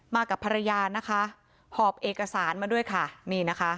มากับภรรยานะคะหอบเอกสารมาด้วยค่ะนี่นะคะ